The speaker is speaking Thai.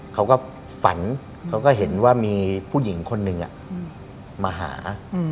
เขาก็ฝันเขาก็เห็นว่ามีผู้หญิงคนหนึ่งมาหา